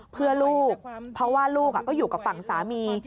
เพื่อลูกเพราะว่าลูกก็อยู่กับฝั่งสามี